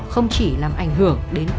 không chỉ làm ảnh hưởng đến cá nhân